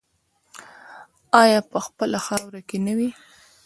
آیا په خپله خاوره کې نه وي؟